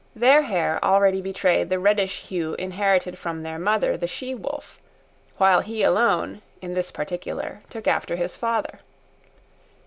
Their hair already betrayed the reddish hue inherited from their mother, the she wolf; while he alone, in this particular, took after his father.